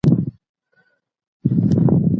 انسانان د پرمختګ لپاره يو بل ته اړ دي.